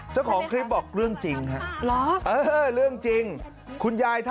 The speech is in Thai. เจ้าของคลิปบอกเรื่องจริงครับ